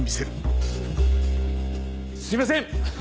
すいません！